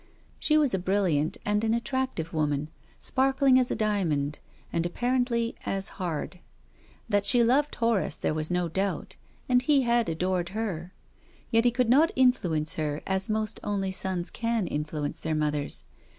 She was a brilliant and an attractive woman, sparkling as a diamond, and apparently as hard. That she loved Horace there was no doubt, and he had adored her. Yet he could not influence her as most only sons can influence their mothers.